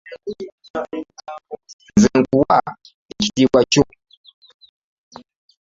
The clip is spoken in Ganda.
Nze nkuwa ekitiibwa kyo.